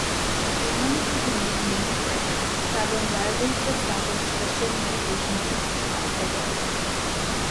Freeman continued Main's work, travelling widely to establish Christian meditation groups across the world.